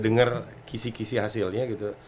dengar kisi kisi hasilnya gitu